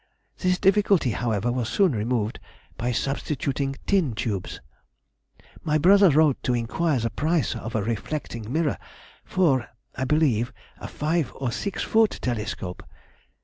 This difficulty, however, was soon removed by substituting tin tubes.... My brother wrote to inquire the price of a reflecting mirror for (I believe) a five or six foot telescope.